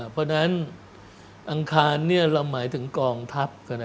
เพราะฉะนั้นอังคารเราหมายถึงกองทัพ